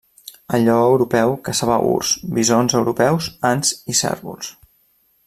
El lleó europeu caçava urs, bisons europeus, ants i cérvols.